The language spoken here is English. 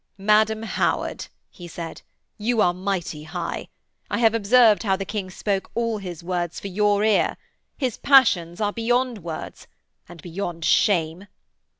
'Madam Howard,' he said, 'you are mighty high. I have observed how the King spoke all his words for your ear. His passions are beyond words and beyond shame.'